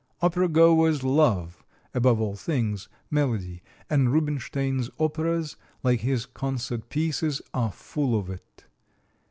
Opera goers love, above all things, melody, and Rubinstein's operas, like his concert pieces, are full of it.